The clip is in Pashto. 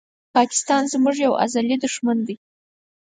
پاکستان زموږ یو ازلې دښمن دي